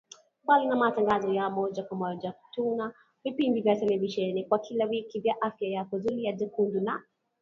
Mbali na matangazo ya moja kwa moja tuna vipindi vya televisheni vya kila wiki vya Afya Yako, Zulia Jekundu na